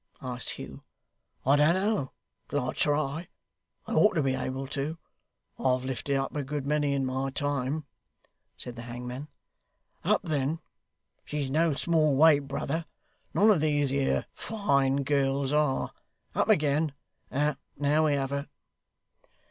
asked Hugh. 'I don't know till I try. I ought to be able to; I've lifted up a good many in my time,' said the hangman. 'Up then! She's no small weight, brother; none of these here fine gals are. Up again! Now we have her.